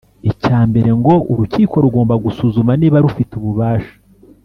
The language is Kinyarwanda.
Icya mbere ngo urukiko rugomba gusuzuma niba rufite ububasha